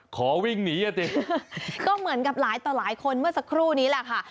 ขอวิ่งหนีอ่ะสิก็เหมือนกับหลายต่อหลายคนเมื่อสักครู่นี้แหละค่ะ